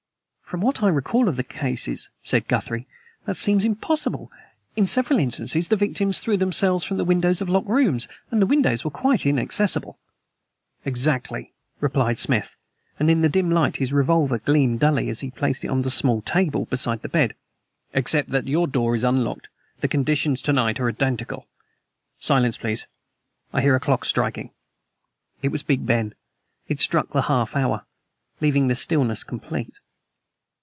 "From what I recall of the cases," said Guthrie, "that seems impossible. In several instances the victims threw themselves from the windows of locked rooms and the windows were quite inaccessible." "Exactly," replied Smith; and in the dim light his revolver gleamed dully, as he placed it on the small table beside the bed. "Except that your door is unlocked, the conditions to night are identical. Silence, please, I hear a clock striking." It was Big Ben. It struck the half hour, leaving the stillness complete.